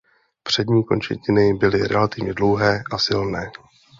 Přední končetiny byly relativně dlouhé a silné.